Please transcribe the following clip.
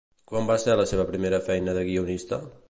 Quan va ser la seva primera feina de guionista?